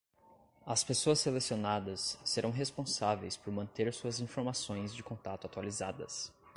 As pessoas selecionadas serão responsáveis por manter suas informações de contato atualizadas.